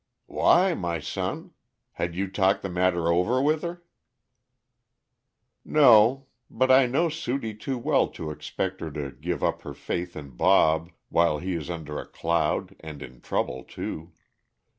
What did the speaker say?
"Why, my son? Had you talked the matter over with her?" "No. But I know Sudie too well to expect her to give up her faith in Bob while he is under a cloud and in trouble too.